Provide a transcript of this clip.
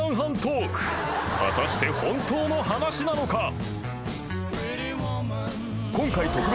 ［果たして本当の話なのか？］